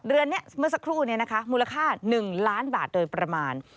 เรือนนี้เมื่อสักครู่นี้นะคะมูลค่า๑ล้านบาทโดยประมาณ